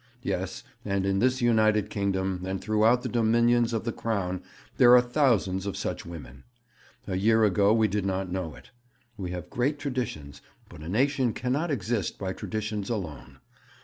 Yes, and in this United Kingdom and throughout the Dominions of the Crown there are thousands of such women. A year ago we did not know it. We have great traditions, but a nation cannot exist by traditions alone.